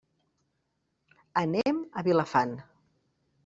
Anem a Vilafant.